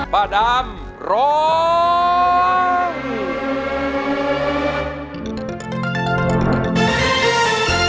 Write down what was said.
ป่าดำรอง